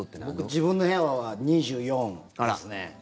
僕、自分の部屋は２４度ですね。